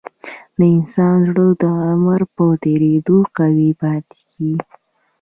د انسان زړه د عمر په تیریدو قوي پاتې کېږي.